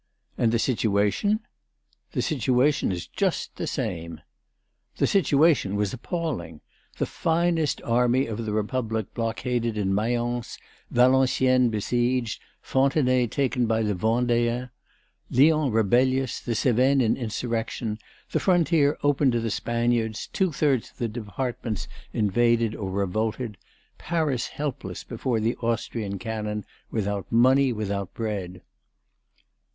"And the situation?" "The situation is just the same." The situation was appalling. The finest army of the Republic blockaded in Mayence; Valenciennes besieged; Fontenay taken by the Vendéens; Lyons rebellious; the Cévennes in insurrection, the frontier open to the Spaniards; two thirds of the Departments invaded or revolted; Paris helpless before the Austrian cannon, without money, without bread!